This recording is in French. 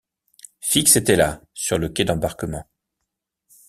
Fix était là, sur le quai d’embarquement.